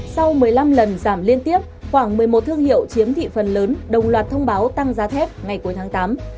sau một mươi năm lần giảm liên tiếp khoảng một mươi một thương hiệu chiếm thị phần lớn đồng loạt thông báo tăng giá thép ngày cuối tháng tám